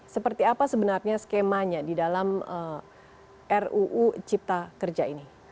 seperti apa sebenarnya skemanya di dalam ruu cipta kerja ini